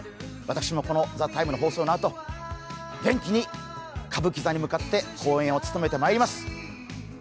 私も「ＴＨＥＴＩＭＥ，」の放送のあと元気に歌舞伎座に向かって公演を務めてまいります。